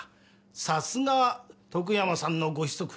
さすが徳山さんのご子息。